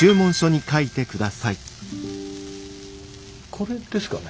これですかね？